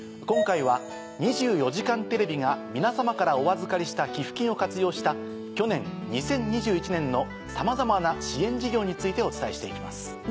今回は『２４時間テレビ』が皆様からお預かりした寄付金を活用した去年２０２１年のさまざまな支援事業についてお伝えして行きます。